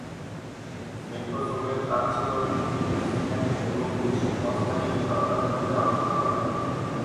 নেক্রাসোভের কাজ ছিল Finnish senate এবং রুশ অস্থায়ী সরকারের মধ্যে আলোচনা করা।